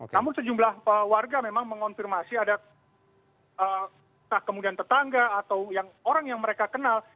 namun sejumlah warga memang mengonfirmasi ada kemudian tetangga atau orang yang mereka kenal